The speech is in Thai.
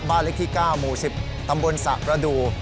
บ้านเล็กที่๙หมู่๑๐ตำบลสระประดูก